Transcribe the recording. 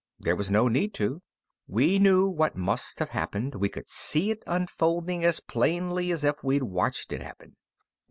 There was no need to. We knew what must have happened, we could see it unfolding as plainly as if we'd watched it happen.